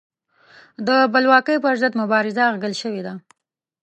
د بلواکۍ پر ضد مبارزه اغږل شوې ده.